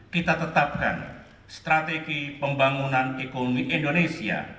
kita tetapkan strategi pembangunan ekonomi indonesia